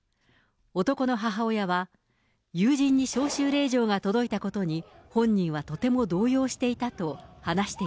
男の母親は、友人に招集令状が届いたことに本人はとても動揺していたと話して